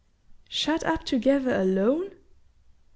"Shut up together alone?"